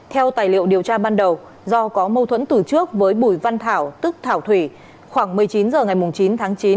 theo tài liệu điều tra ban đầu do có mâu thuẫn từ trước với bùi văn thảo tức thảo thủy khoảng một mươi chín h ngày chín tháng chín